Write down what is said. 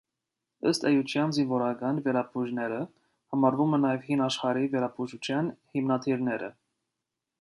Ըստ էության զինվորական վիրաբույժները համարվում են նաև հին աշխարհի վիրաբուժության հիմնադիրները։